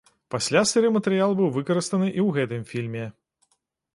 Пасля сыры матэрыял быў выкарыстаны і ў гэтым фільме.